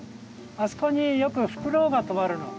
あそこによくフクロウがとまるの。